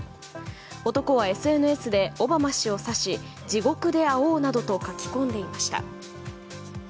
男はＳＮＳでオバマ氏を指し地獄で会おうなどと書き込んでいました。